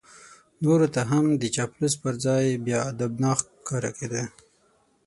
نورو ته هم د چاپلوس په ځای بیا ادبناک ښکارېده.